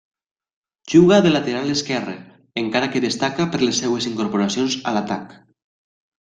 Juga de lateral esquerre, encara que destaca per les seves incorporacions a l'atac.